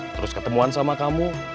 terus ketemuan sama kamu